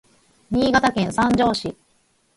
Niigataken sanjo si